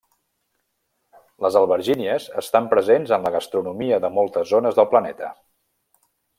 Les albergínies estan presents en la gastronomia de moltes zones del planeta.